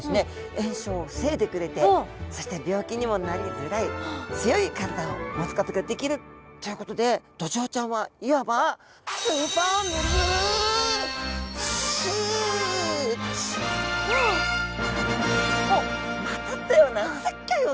炎症を防いでくれてそして病気にもなりづらい強い体を持つことができるということでドジョウちゃんはいわばお！をまとったようなすっギョいお魚なんですね。